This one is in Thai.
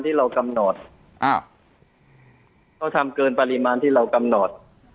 ที่เรากำหนดอ่าเขาทำเกินปริมาณที่เรากำหนด